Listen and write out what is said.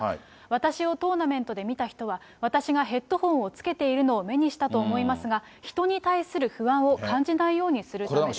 私をトーナメントで見た人は、私がヘッドホンをつけているのを目にしたと思いますが、人に対する不安を感じないようにするためです。